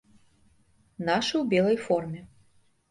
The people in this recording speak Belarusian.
Нашы ў белай форме.